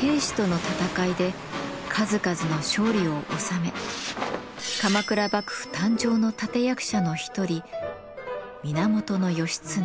平氏との戦いで数々の勝利を収め鎌倉幕府誕生の立て役者の一人源義経。